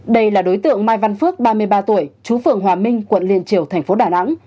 đây là đối tượng mai văn phước ba mươi ba tuổi chú phượng hòa minh quận liên triều tp đà nẵng